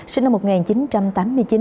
sinh năm một nghìn chín trăm tám mươi chín